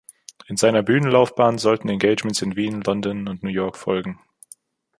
In seiner Bühnenlaufbahn sollten Engagements in Wien, London und New York folgen.